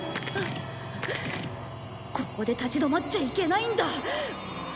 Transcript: ここで立ち止まっちゃいけないんだ！